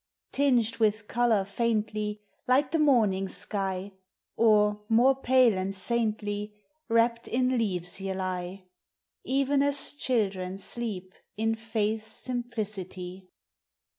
Tinged with color faintly, Like the morning sky, Or, more pale and saintly, Wrapped in leaves ye lie — Even as children sleep in faith's simplicity.